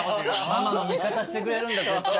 ママの味方してくれるんだ絶対。